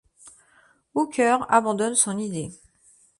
Hooker abandonne son idée.